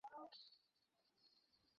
আমার প্রশ্নের উত্তর দাও, ডুপোন্ট।